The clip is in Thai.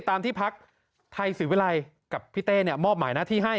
ตามที่พักไทยศรีวิรัยกับพี่เต้มอบหมายหน้าที่ให้